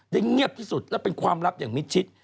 เงียบที่สุดและเป็นความลับอย่างมิดชิด